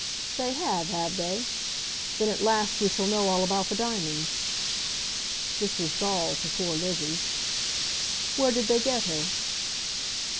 "They have, have they? Then at last we shall know all about the diamonds." This was gall to poor Lizzie. "Where did they get her?"